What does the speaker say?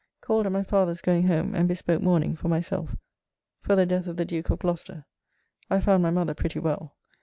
Called at my father's going home, and bespoke mourning for myself, for the death of the Duke of Gloucester. I found my mother pretty well.